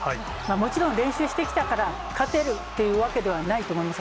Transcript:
もちろん練習してきたから、勝てるっていうわけではないと思います。